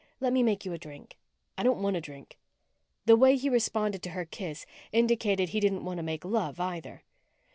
"Let me make you a drink." "I don't want a drink." The way he responded to her kiss indicated he didn't want to make love, either.